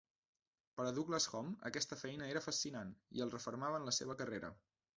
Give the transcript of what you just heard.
Per a Douglas-Home aquesta feina era fascinant, i el refermava en la seva carrera.